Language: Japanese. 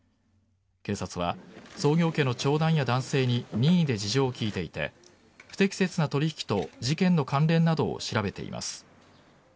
警察は創業家の長男や男性に任意で事情を聴いていて不適切な取引と事件の関連などを調べています。